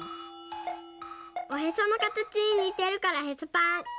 おへそのかたちににてるから「ヘソパン」。